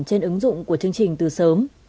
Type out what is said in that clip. trên ứng dụng của chương trình từ sớm